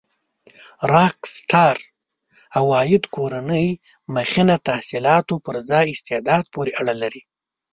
راک سټار عوایده کورنۍ مخینه تحصيلاتو پر ځای استعداد پورې اړه لري.